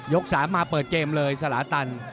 ๓มาเปิดเกมเลยสลาตัน